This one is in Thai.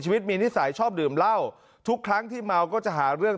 ชีวิตมีนิสัยชอบดื่มเหล้าทุกครั้งที่เมาก็จะหาเรื่อง